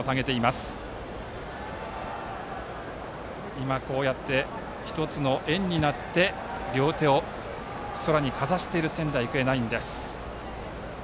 今、こうやって１つの円になって両手を空にかざしている仙台育英ナインです。